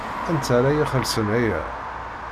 Anta ara ixellṣen aya?